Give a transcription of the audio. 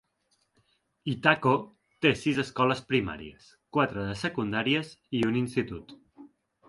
Itako té sis escoles primàries, quatre de secundàries i un institut.